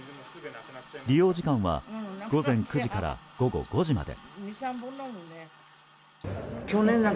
利用時間は午前９時から午後５時まで。